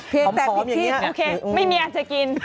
เพียงแต่พร้อมอย่างนี้โอเคไม่มีอาจจะกิน